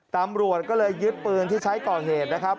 ตำรวจก็เลยยึดปืนที่ใช้ก่อเหตุนะครับ